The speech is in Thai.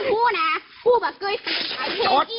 กลับหนักฮ้าไปแล้วควาย